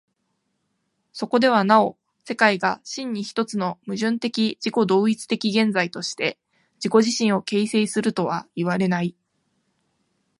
そこではなお世界が真に一つの矛盾的自己同一的現在として自己自身を形成するとはいわれない。